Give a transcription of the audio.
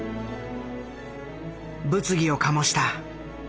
物議を醸した。